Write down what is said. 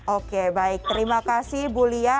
oke baik terima kasih bu lia